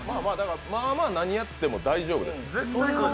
まあまあ、何やっても大丈夫ですよ。